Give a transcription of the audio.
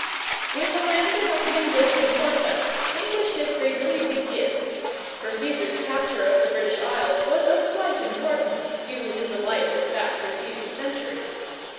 With the landing of Hengist and Horsa English history really begins, for Caesar's capture of the British Isles was of slight importance viewed in the light of fast receding centuries.